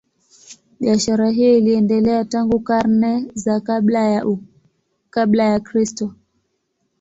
Biashara hiyo iliendelea tangu karne za kabla ya Kristo.